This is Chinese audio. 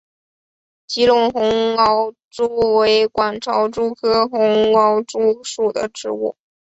吉隆红螯蛛为管巢蛛科红螯蛛属的动物。